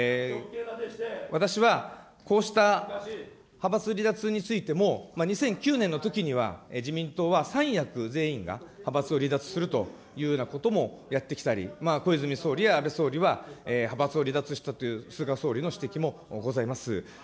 私はこうした派閥離脱についても、２００９年のときには、自民党は三役全員が派閥を離脱するというようなこともやってきたり、小泉総理や安倍総理は派閥を離脱したという菅総理の指摘もございます。